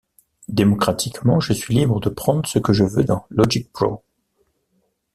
Démocratiquement, je suis libre de prendre ce que je veux dans Logic Pro.